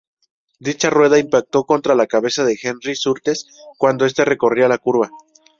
Dicha rueda impactó contra la cabeza de Henry Surtees cuando este recorría la curva.